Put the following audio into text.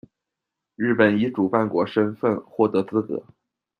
日本以主办国身分获得资格。